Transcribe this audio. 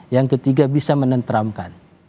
yang ketiga bisa menenteramkan